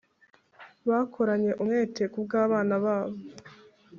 bakoranye umwete kubwabana babo.